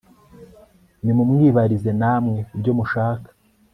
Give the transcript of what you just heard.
nimumwibarize namwe ibyo mushaka